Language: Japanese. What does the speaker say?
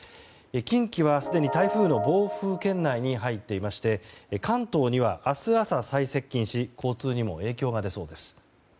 近畿は、すでに台風の暴風圏内に入っていまして関東には明日朝、最接近し交通にも影響が出そうです。